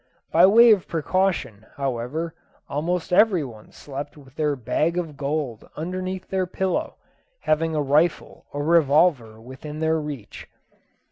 By way of precaution, however, almost every one slept with their bag of gold underneath their pillow, having a rifle or revolver within their reach.